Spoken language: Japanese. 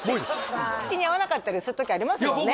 口に合わなかったりする時ありますもんね